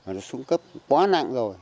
nó xuống cấp quá nặng rồi